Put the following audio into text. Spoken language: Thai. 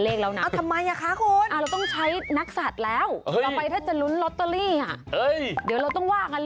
พอเขาเจอแล้วเขาก็หาเลขกัน